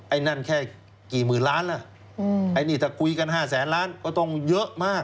ไอ้นั่นแค่กี่หมื่นล้านล่ะไอ้นี่ถ้าคุยกัน๕แสนล้านก็ต้องเยอะมาก